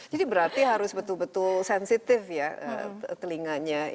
jadi berarti harus betul betul sensitif ya telinganya